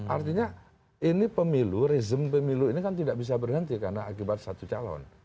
artinya ini pemilu rezim pemilu ini kan tidak bisa berhenti karena akibat satu calon